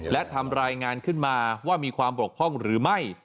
และทำรายงานขึ้นมาว่ามีความบกพร่องหรือไม่